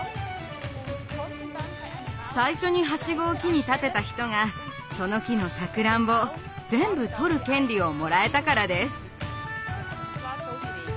最初にハシゴを木に立てた人がその木のさくらんぼを全部とる権利をもらえたからです。